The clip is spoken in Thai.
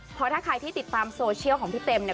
เพราะถ้าใครที่ติดตามโซเชียลของพี่เต็มเนี่ย